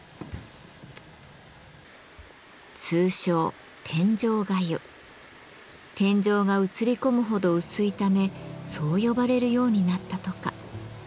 通称天井が映り込むほど薄いためそう呼ばれるようになったとか。